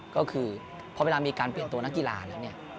ก็คือพอเวลามีการเปลี่ยนตัวนักกีฬาแล้วเนี่ย